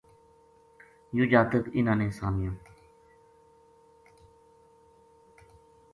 یوہ جاتک اِنھاں نے سامیو